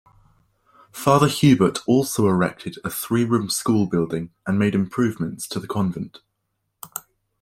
Father Hubert also erected a three-room school building and made improvements to the convent.